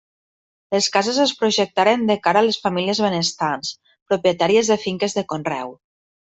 Les cases es projectaren de cara a les famílies benestants, propietàries de finques de conreu.